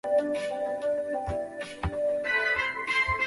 佩龙维勒人口变化图示